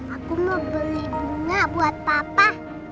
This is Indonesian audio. aku mau beli bunga buat papa